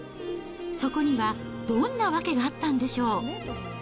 そこには、どんな訳があったんでしょう。